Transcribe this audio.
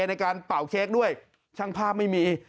ในการเป่าเค้กด้วยช่างภาพไม่มี